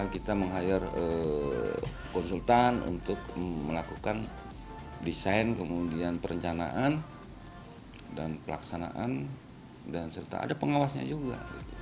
kita meng hire konsultan untuk melakukan desain kemudian perencanaan dan pelaksanaan dan serta ada pengawasnya juga